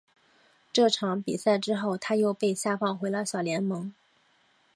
这场比赛之后他又被下放回了小联盟。